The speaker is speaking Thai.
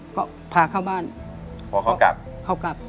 เขากลับ